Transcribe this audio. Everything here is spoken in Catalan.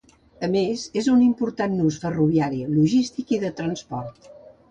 A més, és un important nus ferroviari, logístic i de transports.